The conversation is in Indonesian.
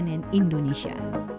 tim liputan cnn indonesia